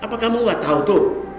apa kamu gak tau tuh